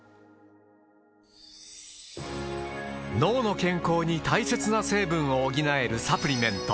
脳の健康に大切な成分を補えるサプリメント